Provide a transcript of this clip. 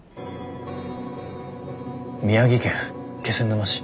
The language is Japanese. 「宮城県気仙沼市。